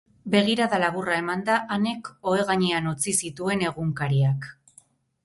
Begirada laburra emanda, Anek ohe gainean utzi zituen egunkariak.